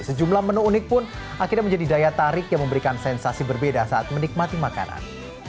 sejumlah menu unik pun akhirnya menjadi daya tarik yang memberikan sensasi berbeda saat menikmati makanan